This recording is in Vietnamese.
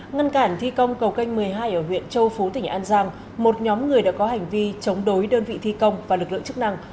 ngăn cản thi công cầu canh một mươi hai ở huyện châu phú tỉnh an giang một nhóm người đã có hành vi chống đối đơn vị thi công và lực lượng chức năng